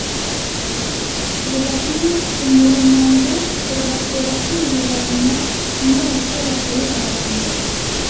Rubahina umurumango: Rubatera kwiriranwa inyota bakayirarana.